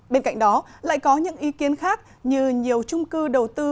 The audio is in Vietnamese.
bên cạnh đó lại có những ý kiến khác như nhiều trung cư đầu tư